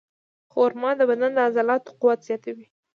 خرما د بدن د عضلاتو قوت زیاتوي.